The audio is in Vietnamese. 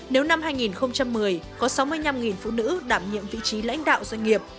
nếu năm hai nghìn một mươi có sáu mươi năm phụ nữ đảm nhiệm vị trí lãnh đạo doanh nghiệp